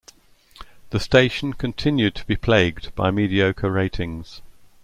The station continued to be plagued by mediocre ratings.